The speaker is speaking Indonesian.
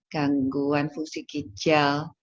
gangguan fungsi gijal